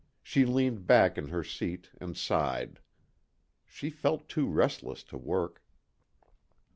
She leaned back in her seat and sighed. She felt too restless to work.